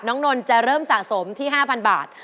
นนท์จะเริ่มสะสมที่๕๐๐บาท